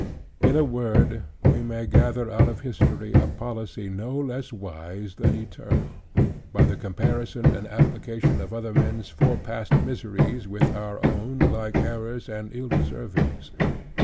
In a word, we may gather out of history a policy no less wise than eternal; by the comparison and application of other men's fore passed miseries with our own like errors and ill deservings.